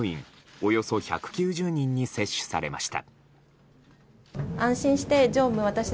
およそ１９０人に接種されました。